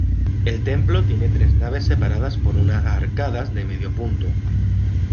El templo tiene tres naves separadas por unas arcadas de medio punto.